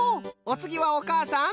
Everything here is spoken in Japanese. おつぎはおかあさん！